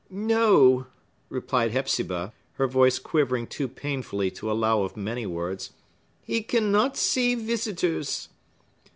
"No," replied Hepzibah, her voice quivering too painfully to allow of many words. "He cannot see visitors!"